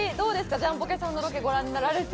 ジャンポケさんのロケ、ご覧になられて。